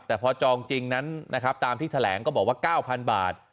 แต่พอจองจริงนั้นนะครับตามที่แถลงก็บอกว่า๙๐๐บาท